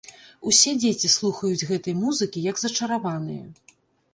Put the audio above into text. Усе дзеці слухаюць гэтай музыкі як зачараваныя.